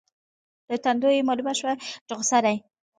له تندو یې مالومه شوه چې غصه دي.